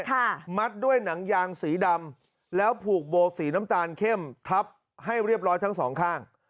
มัดด้วยหนังยางสีดำแล้วผูกโบสีน้ำตาลเข้มทับให้เรียบร้อยทั้งสองข้าง